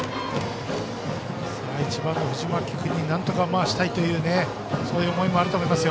さあ、１番の藤巻君になんとか回したいというそういう思いもあると思います。